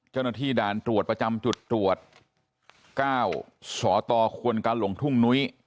เจ้าหน้าที่ด่านตรวจประจำจุดตรวจ๙สตควรกาหลงทุ่งนุ้ย